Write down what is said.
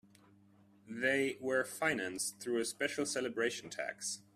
They were financed through a special celebration tax.